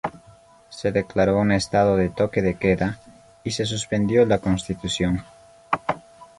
Se declaró un estado de Toque de queda y se suspendió la constitución.